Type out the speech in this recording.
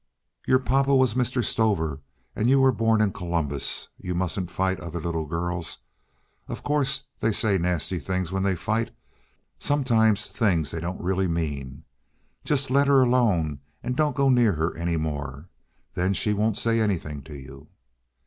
Your papa was Mr. Stover, and you were born in Columbus. You mustn't fight other little girls. Of course they say nasty things when they fight—sometimes things they don't really mean. Just let her alone and don't go near her any more. Then she won't say anything to you."